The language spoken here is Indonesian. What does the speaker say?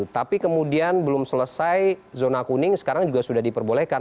tapi kemudian belum selesai zona kuning sekarang juga sudah diperbolehkan